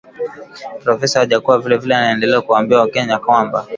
Profesa Wajackoya vile vile anaendelea kuwaambia wakenya kwamba